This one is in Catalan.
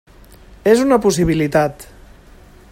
És una possibilitat.